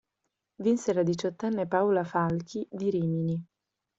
Vinse la diciottenne Paola Falchi, di Rimini.